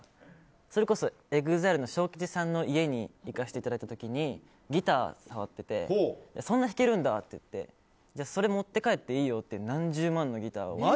それこそ、ＥＸＩＬＥのＳＨＯＫＩＣＨＩさんの家に行かしていただいた時にギター触っててそんな弾けるんだって言ってそれ持って帰っていいよって何十万のギターを。